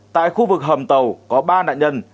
tại khu vực hầm tàu có ba nạn nhân